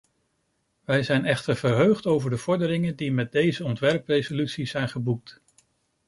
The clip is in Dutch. Wij zijn echter verheugd over de vorderingen die met deze ontwerpresolutie zijn geboekt.